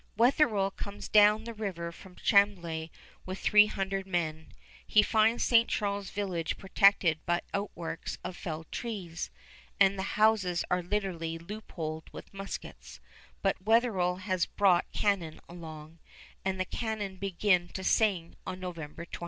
Wetherell comes down the river from Chambly with three hundred men. He finds St. Charles village protected by outworks of felled trees, and the houses are literally loopholed with muskets; but Wetherell has brought cannon along, and the cannon begin to sing on November 25.